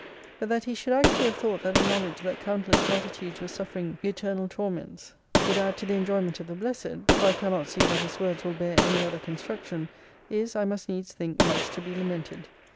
But that he should actually have thought that the knowledge that countless multitudes were suffering eternal torments would add to the XX iv enjoyment of the blessed (for t cannot see that his words will bear any other construction) is, I must needs think, much to be lamented.